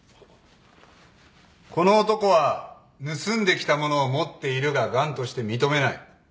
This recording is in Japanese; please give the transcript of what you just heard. この男は盗んできたものを持っているが頑として認めない。